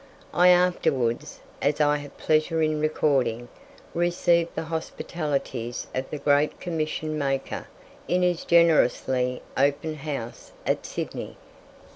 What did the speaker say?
I afterwards, as I have pleasure in recording, received the hospitalities of the great commission maker in his generously open house at Sydney.